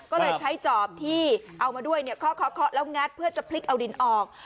ก็เลยใช้จอบที่เอามาด้วยเนี่ยเคาะแล้วงัดเพื่อจะพลิกเอาดินออก